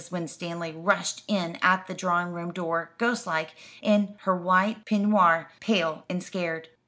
Winstanley rushed in at the drawing room door, ghostlike, in her white peignoir, pale and scared.